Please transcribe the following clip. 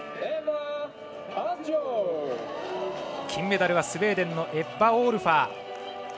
金メダルはスウェーデンのエッバ・オールファー。